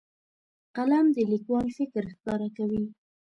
قلم د لیکوال فکر ښکاره کوي.